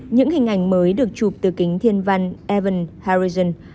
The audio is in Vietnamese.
những hình ảnh mới được chụp từ kính thiên văn even harrison